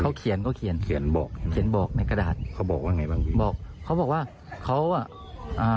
เขาเขียนเขาเขียนเขียนบอกเขียนบอกในกระดาษเขาบอกว่าไงบ้างบอกเขาบอกว่าเขาอ่ะอ่า